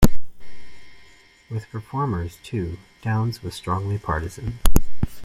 With performers, too, Downes was strongly partisan.